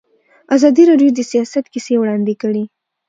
ازادي راډیو د سیاست کیسې وړاندې کړي.